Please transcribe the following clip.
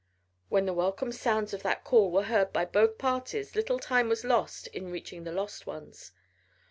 When the welcome sounds of that call were heard by both parties little time was lost in reaching the lost ones.